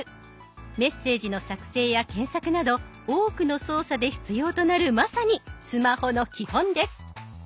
メッセージの作成や検索など多くの操作で必要となるまさにスマホの基本です。